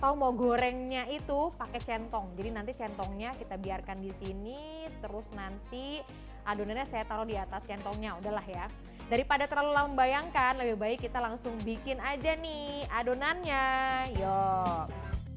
saya mau kasih atau mau gorengnya itu pakai centong jadi nanti centongnya kita biarkan di sini terus nanti adonannya saya taruh di atas centongnya udah lah ya daripada terlalu lambayangkan lebih baik kita langsung bikin aja nih adonannya yuk